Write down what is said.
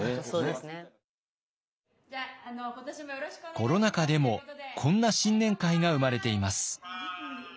コロナ禍でもこんな新年会が生まれています。